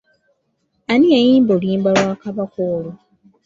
Ani yayimba oluyimba lwa Kabaka olwo?